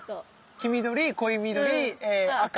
黄緑濃い緑赤？